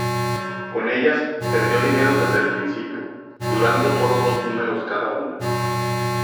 Con ellas perdió dinero desde el principio, durando sólo dos números cada una.